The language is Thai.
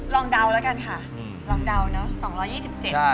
ลองเดาแล้วกันค่ะ